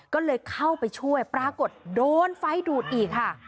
ก็เลยเข้าไปช่วยปรากฏโดนไฟดูดอีกค่ะ